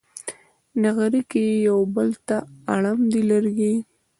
نغري کې یو بل ته اړم دي لرګي